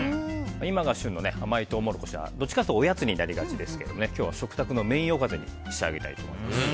今が旬の甘いトウモロコシはどちらかというとおやつになりがちですけど今日は食卓のメインおかずに仕上げたいと思います。